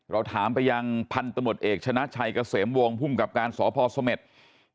เราถามไปยังพันธมฏแอกชนะชัยกระเสมวงหุ้มกัปกันสภสมมติ